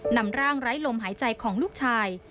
นำร่างไร้ลมหายใจของลูกชาย